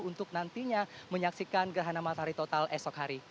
untuk nantinya menyaksikan gerhana matahari total esok hari